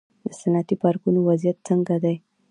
د صنعتي پارکونو وضعیت څنګه دی؟